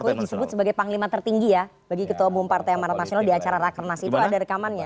pak jokowi disebut sebagai panglima tertinggi ya bagi ketua umum partai amarat nasional di acara rakernas itu ada rekamannya